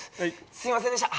すみませんでした。